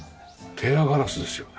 ペアガラスですよね？